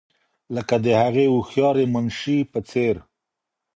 لکه د هغې هوښیارې منشي په څېر.